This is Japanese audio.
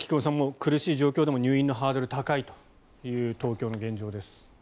苦しい状況でも入院のハードルが高いという東京の現状です。